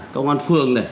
công an phương